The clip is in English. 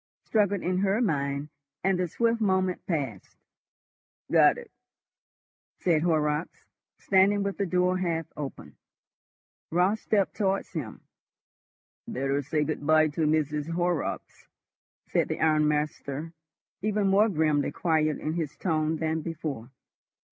struggled in her mind, and the swift moment passed. "Got it?" said Horrocks, standing with the door half open. Raut stepped towards him. "Better say good bye to Mrs. Horrocks," said the ironmaster, even more grimly quiet in his tone than before.